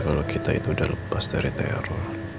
kalau kita itu udah lepas dari teror